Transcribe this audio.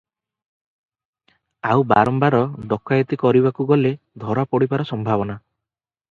ଆଉ ବାରମ୍ବାର ଡକାଏତି କରିବାକୁ ଗଲେ ଧରା ପଡ଼ିବାର ସମ୍ଭାବନା ।